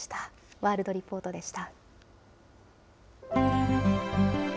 ワールドリポートでした。